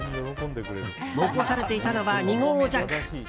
残されていたのは２合弱。